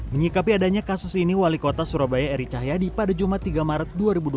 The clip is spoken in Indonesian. menyikapi adanya kasus ini wali kota surabaya eri cahyadi pada jumat tiga maret dua ribu dua puluh